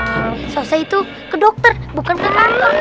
selesai itu ke dokter bukan ke kantor